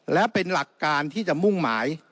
และเป็นหลักการที่จะมุ่งหมาย